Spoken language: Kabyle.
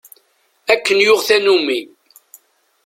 Akken yuɣ tanumi.